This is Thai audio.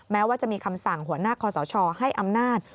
แม้ว่าจะมีคำสั่งหัวหน้าคอสชให้อำนาจ